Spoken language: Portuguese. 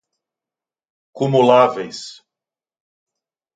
cumuláveis